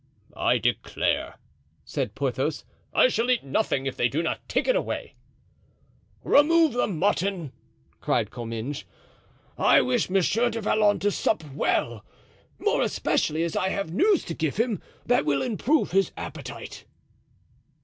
"I declare," said Porthos, "I shall eat nothing if they do not take it away." "Remove the mutton," cried Comminges; "I wish Monsieur du Vallon to sup well, more especially as I have news to give him that will improve his appetite."